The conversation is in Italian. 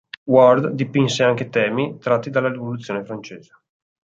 Ward dipinse anche temi tratti dalla Rivoluzione francese.